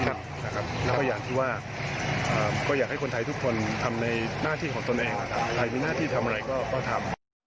แล้วก็อย่างที่ว่าก็อยากให้คนไทยทุกคนทำในหน้าที่ของตนเองใครมีหน้าที่ทำอะไรก็ทำ